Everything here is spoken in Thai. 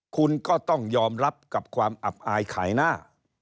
คุณก็ต้องยอมรับกับความอับอายขายหน้า